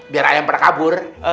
biar ayam pernah kabur